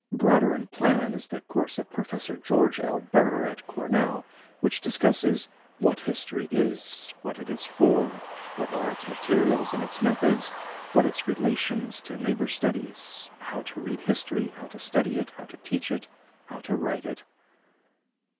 Broader in plan is the course of Professor George L. Burr at Cornell, which discusses "what history is, what it is for, what are its materials and its methods, what its relations to neighbor studies, how to read history, how to study it, how to teach it, how to write it."